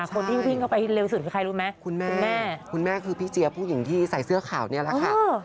คนที่วิ่งเข้าไปเร็วสุดคือใครรู้ไหมคุณแม่คุณแม่คือพี่เจี๊ยบผู้หญิงที่ใส่เสื้อขาวนี่แหละค่ะ